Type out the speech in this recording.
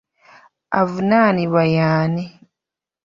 Avunaanibwa y'ani?